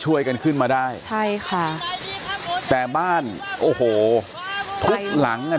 ช่วยกันขึ้นมาได้ใช่ค่ะแต่บ้านโอ้โหทุกหลังอ่ะ